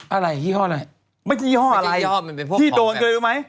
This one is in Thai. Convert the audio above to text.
อะไรยี่ห้ออะไรไม่ใช่ยี่ห้ออะไรที่โดนคืออะไรรู้ไหม